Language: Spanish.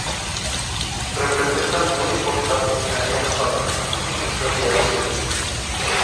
Representan un importante área para la reproducción de aves marinas.